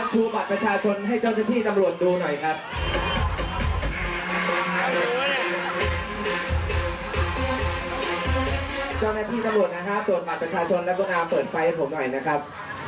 เจ้าหน้าที่ตำรวจดูหน่อยครับตรวจบัตรประชาชนและพวกนาเปิดไฟให้ผมหน่อยนะครับ